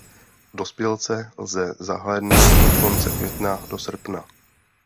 Dospělce lze zahlédnout od konce května do srpna.